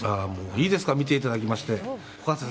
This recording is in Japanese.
いいですか、見ていただいて。